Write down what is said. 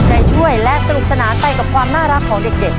ใจช่วยและสนุกสนานไปกับความน่ารักของเด็ก